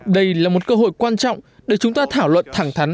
đây là một cơ hội quan trọng để chúng ta thảo luận thẳng thắn